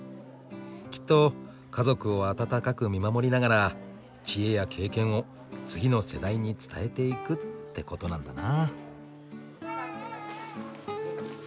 きっと家族を温かく見守りながら知恵や経験を次の世代に伝えていくってことなんだな。